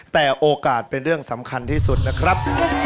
แต่โอกาสเป็นเรื่องสำคัญที่สุดนะครับ